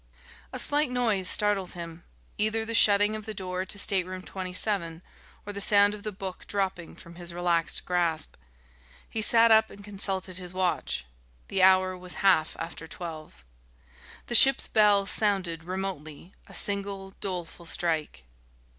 A slight noise startled him, either the shutting of the door to Stateroom 27, or the sound of the book dropping from his relaxed grasp. He sat up and consulted his watch. The hour was half after twelve. The ship's bell sounded remotely a single, doleful stroke.